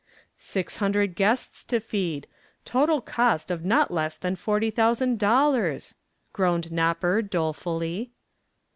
"Six hundred guests to feed total cost of not less than forty thousand dollars," groaned "Nopper," dolefully.